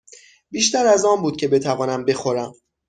بیشتر از آن بود که بتوانم بخورم.